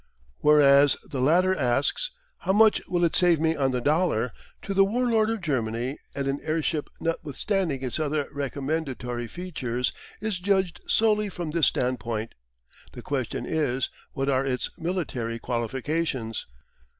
Whereas the latter asks, "How much will it save me on the dollar?" to the War Lord of Germany and an airship notwithstanding its other recommendatory features is judged solely from this standpoint the question is "What are its military qualifications?"